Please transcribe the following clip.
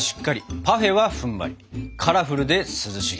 カラフルで涼しげ！